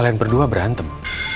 kalian berdua berantem